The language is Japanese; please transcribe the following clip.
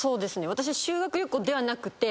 私は修学旅行ではなくて。